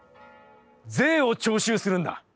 『税を徴収するんだ。